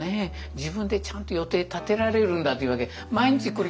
自分でちゃんと予定立てられるんだ」と言うわけ。